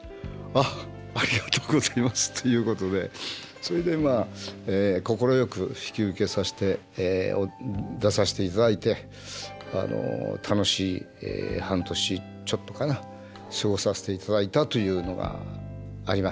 「あっありがとうございます」ということでそれでまあ快く引き受けさせて出させていただいてあの楽しい半年ちょっとかな過ごさせていただいたというのがありましたね。